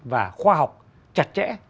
và khoa học chặt chẽ